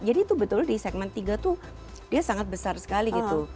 jadi itu betul di segmen tiga tuh dia sangat besar sekali gitu